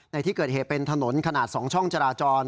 ในที่เกิดเหตุเป็นถนนขนาด๒ช่องจราจร